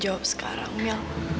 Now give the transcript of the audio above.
aku mencintai kamu